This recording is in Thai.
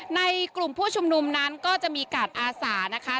ในกลุ่มผู้ชุมนุมนั้นก็จะมีการอาสานะคะ